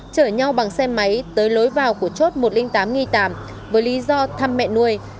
chở nhau bằng xe máy tới lối vào của chốt một trăm linh tám nghi tám với lý do thăm mẹ nuôi